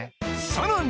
さらに